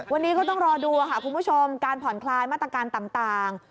วันนี้ก็ต้องรอดูค่ะคุณผู้ชมการผ่อนคลายมาตรการต่าง